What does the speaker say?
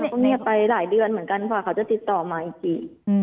จะไปหลายเดือนเหมือนกันค่ะเขาจะติดต่อมาอีกที